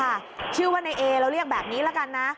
ว่าเลยค่ะชื่อของในเอเราเรียกแบบนี้แล้วกันนะ